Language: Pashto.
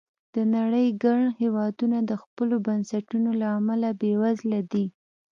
د نړۍ ګڼ هېوادونه د خپلو بنسټونو له امله بېوزله دي.